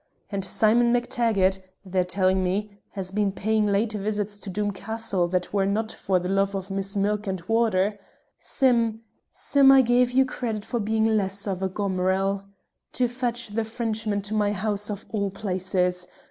And Simon MacTaggart (they're telling me) has been paying late visits to Doom Castle that were not for the love of Miss Milk and Water. Sim! Sim! I gave you credit for being less o' a Gomeral. To fetch the Frenchman to my house of all places!